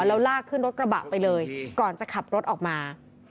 แล้วลากขึ้นรถกระบะไปเลยก่อนจะขับรถออกมา